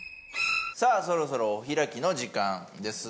さあそろそろお開きの時間ですが。